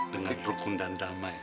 dengan rukun dan damai